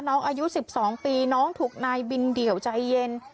อายุ๑๒ปีน้องถูกนายบินเดี่ยวใจเย็น